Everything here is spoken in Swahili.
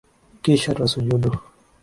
Kisha twasujudu